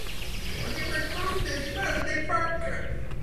On y retrouve des images d'époque.